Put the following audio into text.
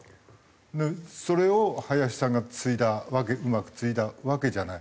それを林さんが継いだわけうまく継いだわけじゃない？